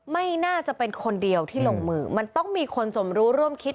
ไม่น่าจะเป็นคนเดียวที่ลงมือมันต้องมีคนสมรู้ร่วมคิด